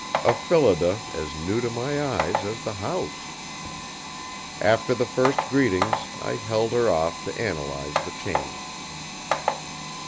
A Phillida as new to my eyes as the house! After the first greetings I held her off to analyze the change.